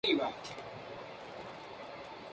Habita en Darjeeling, Assam y Nepal.